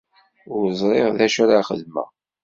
Ur ẓriɣ ara d acu ara xedmeɣ.